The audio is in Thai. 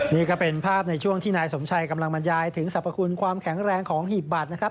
นี่ก็เป็นภาพในช่วงที่นายสมชัยกำลังบรรยายถึงสรรพคุณความแข็งแรงของหีบบัตรนะครับ